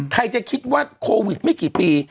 ใครจะคิดว่าโควิดไม่กี่ปี